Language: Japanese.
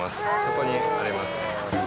ここにあります。